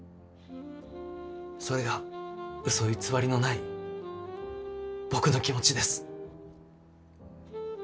それがうそ偽りのない僕の気持ちです。